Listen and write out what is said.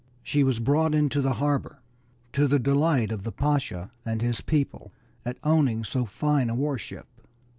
She was brought into the harbor, to the delight of the Pasha and his people at owning so fine a war ship.